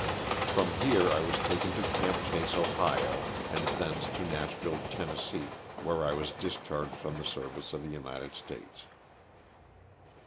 From here I was taken to '^Camp Chase," Ohio, and thence to Nashville, Tenn., where I was dis pharged from the service of the United States.